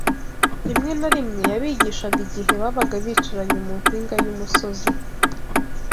Rimwe na rimwe yabigishaga igihe babaga bicaranye mu mpinga y’umusozi